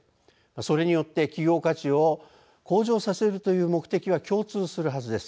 それによって企業価値を向上させるという目的は共通するはずです。